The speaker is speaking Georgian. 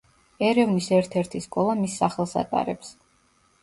ერევნის ერთ-ერთი სკოლა მის სახელს ატარებს.